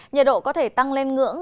nhiệt độ có thể tăng lên ngưỡng